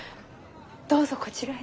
どうぞこちらへ。